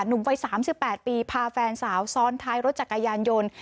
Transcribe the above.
หนุ่มวัย๓๘ปีพาแฟนสาวซ้อนท้ายรถจักรยานยนต์